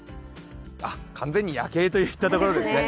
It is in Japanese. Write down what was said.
完全に夜景といったところですね。